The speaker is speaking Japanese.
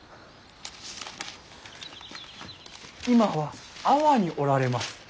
今は安房におられます。